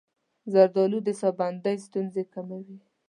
زردآلو د ساه بندۍ ستونزې کموي.